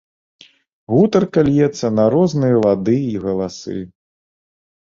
Гутарка льецца на розныя лады і галасы.